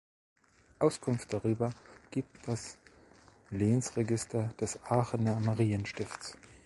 Auskunft darüber gibt das Lehnsregister des Aachener Marienstifts.